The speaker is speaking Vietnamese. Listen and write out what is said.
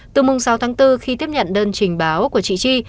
từ mùng sáu tháng bốn khi tiếp nhận đơn trình báo của chị chi